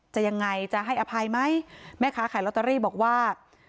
ยังไงจะให้อภัยไหมแม่ค้าขายลอตเตอรี่บอกว่า